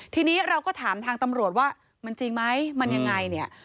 ทีนี้เราก็ถามทางตำรวจว่ามันจริงไหมมันยังไงเนี่ย